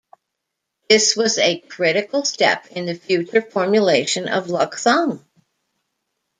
This was a critical step in the future formulation of Luk Thung.